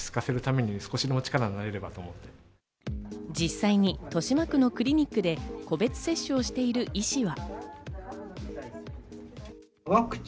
実際に豊島区のクリニックで個別接種をしている医師は。